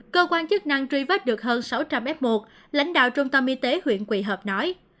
cơ quan chức năng truy vết được hơn sáu trăm linh f một lãnh đạo trung tâm y tế huyện quỳ hợp nói